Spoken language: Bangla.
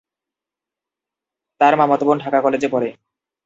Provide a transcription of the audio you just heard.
তার মামাতো বোন ঢাকা কলেজে পড়ে।